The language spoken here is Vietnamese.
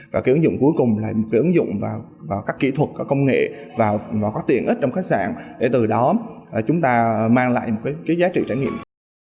và cái ứng dụng cuối cùng là một cái ứng dụng vào các kỹ thuật công nghệ và có tiện ích trong khách sạn để từ đó chúng ta mang lại một cái giá trị trải nghiệm